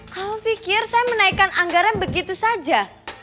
kamu pikir saya menaikan anggaran begitu saja